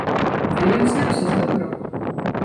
Але ён зняўся з выбараў!